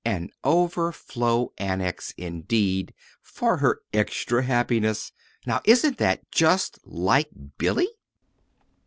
"An Overflow Annex, indeed, for her 'extra happiness'! Now isn't that just like Billy?"